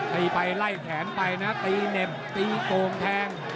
ตีไปไล่แขนไปนะตีเนมตีโกงแทง